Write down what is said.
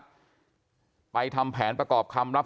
แต่ว่าวินนิสัยดุเสียงดังอะไรเป็นเรื่องปกติอยู่แล้วครับ